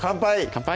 乾杯！